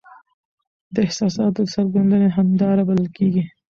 د احساساتو د څرګندوني هنداره بلل کیږي .